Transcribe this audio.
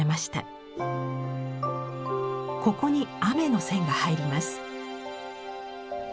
ここに雨の線が入ります。